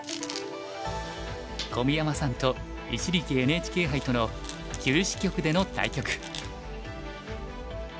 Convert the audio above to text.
小宮山さんと一力ＮＨＫ杯との九子局での対局。